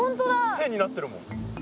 線になってるもん。